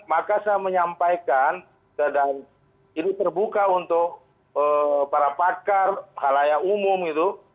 maka saya menyampaikan dan ini terbuka untuk para pakar halayak umum gitu